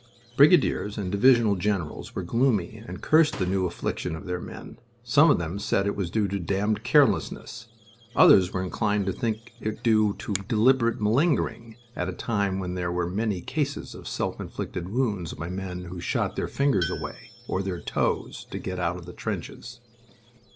Brigadiers and divisional generals were gloomy, and cursed the new affliction of their men. Some of them said it was due to damned carelessness, others were inclined to think it due to deliberate malingering at a time when there were many cases of self inflicted wounds by men who shot their fingers away, or their toes, to get out of the trenches.